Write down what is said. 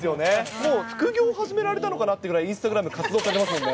もう副業始められたのかなってぐらい、インスタグラム活動されてますもんね。